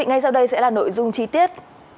ngay sau đây sẽ là nội dung chi tiết